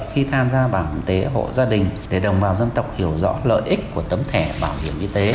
khi tham gia bảo hiểm y tế hộ gia đình để đồng bào dân tộc hiểu rõ lợi ích của tấm thẻ bảo hiểm y tế